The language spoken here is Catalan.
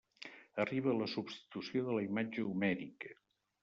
Arriba a la substitució de la imatge homèrica.